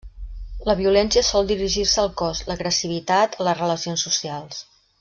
La violència sol dirigir-se al cos, l’agressivitat, a les relacions socials.